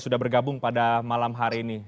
sudah bergabung pada malam hari ini